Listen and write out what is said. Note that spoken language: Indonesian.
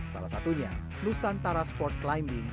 salah satunya nusantara sport climbing